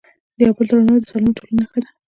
د یو بل درناوی د سالمې ټولنې نښه ده.